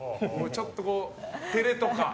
ちょっと照れとか。